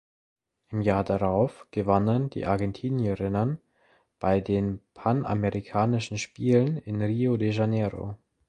Im Jahr darauf gewannen die Argentinierinnen bei den Panamerikanischen Spielen in Rio de Janeiro.